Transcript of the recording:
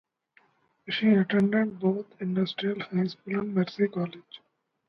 She attended both Industrial High School and Mercy College.